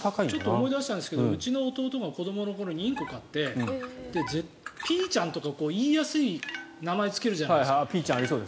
思い出したんですけどうちの弟が子どもの頃にインコを飼ってピーちゃんとか言いやすい名前をつけるじゃないですか。